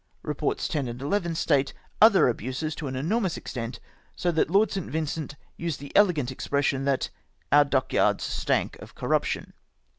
"Eeports 10 and 11 state other abuses to an enormous extent, so that Lord St. Vincent used the elegant expression that 'ou7' dockyards stank of corruption.'